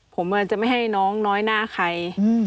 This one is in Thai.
ผมจะไม่ให้น้องน้อยหน้าใคร